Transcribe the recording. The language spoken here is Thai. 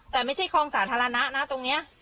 แต่ไม่ใช่คลองสาธารณะนะตรงนี้